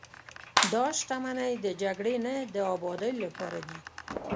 دا شتمنۍ د جګړې نه، د ابادۍ لپاره دي.